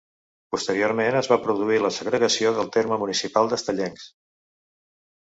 Posteriorment es va produir la segregació del terme municipal d'Estellencs.